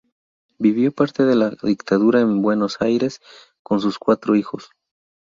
Vivió parte de la dictadura en Buenos Aires, con sus cuatro hijos.